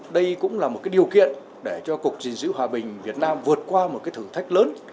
đây cũng là một điều kiện để cho cục gìn giữ hòa bình việt nam vượt qua một cái thử thách lớn